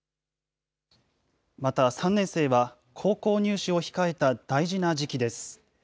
また３年生は、高校入試を控えた大事な時期です。